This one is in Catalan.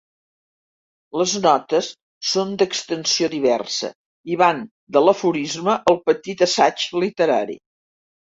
Les notes són d'extensió diversa i van de l'aforisme al petit assaig literari.